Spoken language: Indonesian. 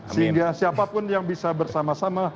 sehingga siapapun yang bisa bersama sama